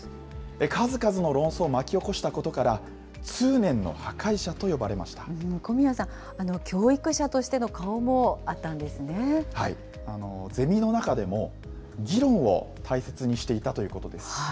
数々の論争を巻き起こしたことから、小宮さん、教育者としての顔ゼミの中でも、議論を大切にしていたということです。